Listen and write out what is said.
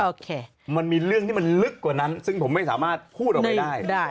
มันมีเรื่องที่มันลึกกว่านั้นซึ่งผมไม่สามารถพูดออกไปได้